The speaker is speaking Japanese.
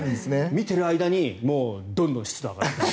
見ている間にどんどん湿度が上がっていく。